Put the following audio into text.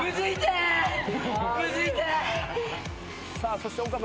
そして岡部